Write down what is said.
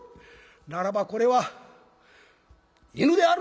ならばこれは犬であるな？」。